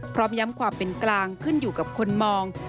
พร้อมย้ำความเป็นกลางขึ้นอยู่กับคนมอง